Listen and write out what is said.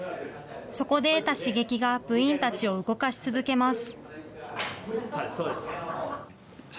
そこで得た刺激が部員たちを動かし続けます。